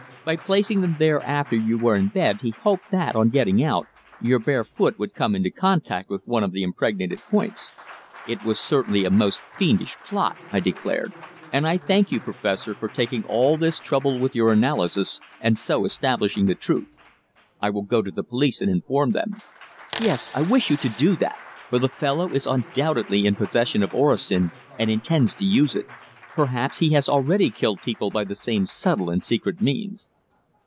By placing them there after you were in bed he hoped that, on getting out, your bare foot would come into contact with one of the impregnated points." "It was certainly a most fiendish plot!" I declared. "And I thank you, Professor, for taking all this trouble with your analysis and so establishing the truth. I will go to the police and inform them." "Yes. I wish you to do that, for the fellow is undoubtedly in possession of orosin, and intends to use it. Perhaps he has already killed people by the same subtle and secret means."